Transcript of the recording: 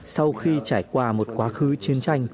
sau khi trải qua một quá khứ chiến tranh